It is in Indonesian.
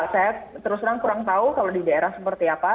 saya terus terang kurang tahu kalau di daerah seperti apa